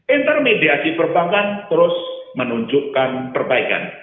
intermediasi perbankan terus menunjukkan perbaikan